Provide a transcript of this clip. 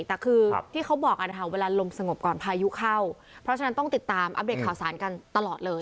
แต่คือที่เขาบอกกันนะคะเวลาลมสงบก่อนพายุเข้าเพราะฉะนั้นต้องติดตามอัปเดตข่าวสารกันตลอดเลย